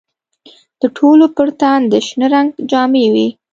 د ټولو پر تن د شنه رنګ جامې وې.